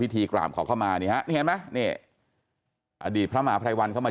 พิธีกราบเขาเข้ามาเนี่ยเห็นไหมเนี่ยอดีตพระหม่าไพรวันเขามา